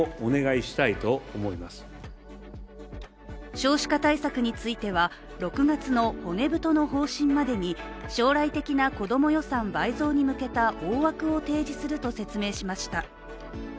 少子化対策については６月の骨太の方針までに将来的な子ども予算倍増に向けた大枠を提示すると説明しました。